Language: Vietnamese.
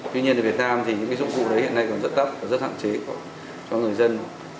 tuy nhiên ở việt nam dụng cụ đó hiện nay còn rất tấp và rất hạn chế cho người dân